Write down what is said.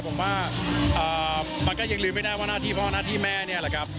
ผมว่ามันก็ยังลืมไม่ได้ว่าหน้าที่พ่อหน้าที่แม่เนี่ยแหละครับ